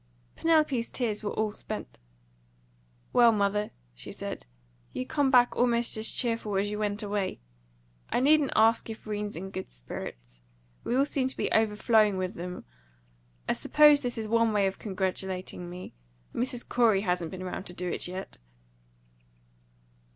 Penelope's tears were all spent. "Well, mother," she said, "you come back almost as cheerful as you went away. I needn't ask if 'Rene's in good spirits. We all seem to be overflowing with them. I suppose this is one way of congratulating me. Mrs. Corey hasn't been round to do it yet."